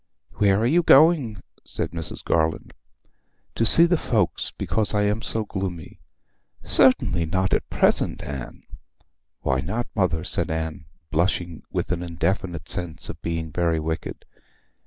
'Where are you going?' said Mrs. Garland. 'To see the folks, because I am so gloomy!' 'Certainly not at present, Anne.' 'Why not, mother?' said Anne, blushing with an indefinite sense of being very wicked.